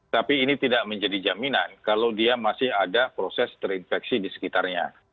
tapi ini tidak menjadi jaminan kalau dia masih ada proses terinfeksi di sekitarnya